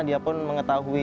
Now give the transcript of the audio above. dia pun mengetahui